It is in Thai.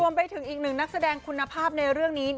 ไปถึงอีกหนึ่งนักแสดงคุณภาพในเรื่องนี้